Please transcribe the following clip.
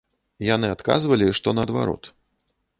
Яны адказвалі, што наадварот.